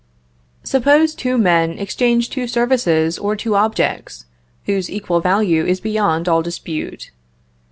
"] Suppose two men exchange two services or two objects, whose equal value is beyond all dispute.